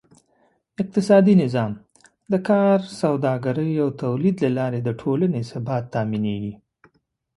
اقتصادي نظام: د کار، سوداګرۍ او تولید له لارې د ټولنې ثبات تأمینېږي.